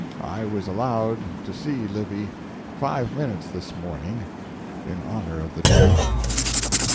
I was allowed to see Livy five minutes this morning, in honor of the day."